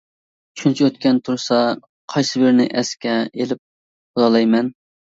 شۇنچە ئۆتكەن تۇرسا قايسىبىرىنى ئەسكە ئېلىپ بولالايمەن.